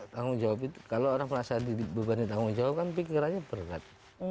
tanggung jawab itu kalau orang merasa dibebani tanggung jawab kan pikirannya berat